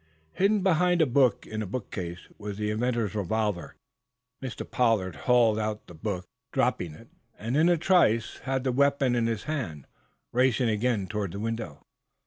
Hidden behind a book in a bookcase was the inventor's revolver. Mr. Pollard hauled the book out, dropping it, and, in a trice, had the weapon in his hand, racing again toward the window.